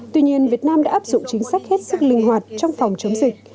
tuy nhiên việt nam đã áp dụng chính sách hết sức linh hoạt trong phòng chống dịch